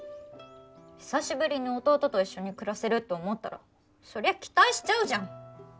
久しぶりに弟と一緒に暮らせると思ったらそりゃ期待しちゃうじゃん。